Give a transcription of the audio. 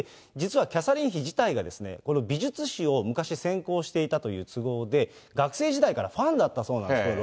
実はキャサリン妃自体が美術史を昔、専攻していたという都合で、学生時代からファンだったそうなんです。